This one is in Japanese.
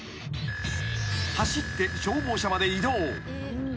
［走って消防車まで移動］